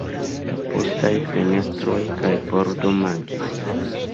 La postaj fenestroj kaj pordo mankis.